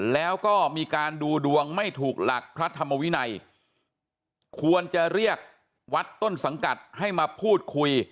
แล้วก็มีการดูดวงไม่ถูกหลักพระธรรมวินัยควรจะเรียกวัดต้นสังกัดให้มาพูดคุย